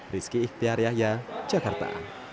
rizky ikhtiar yahya jakarta